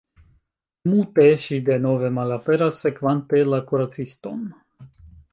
Mute ŝi denove malaperas, sekvante la kuraciston.